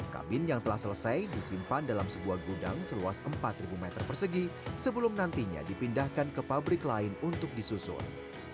kabin yang telah selesai disimpan dalam sebuah gudang seluas empat meter persegi sebelum nantinya dipindahkan ke pabrik lain untuk disusun